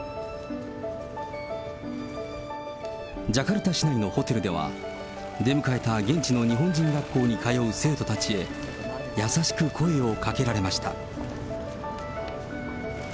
ジャカルタ市内のホテルでは、出迎えた現地の日本人学校に通う生徒たちへ、優しく声をかけられました。